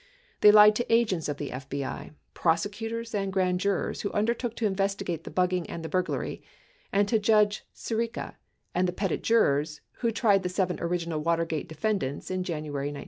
They lied to agents of the FBI, prosecutors, and grand jurors who undertook to investigate the bugging and the burglary, and to Judge Sirica and the petit jurors who tried the seven original Water gate defendants in January 1973.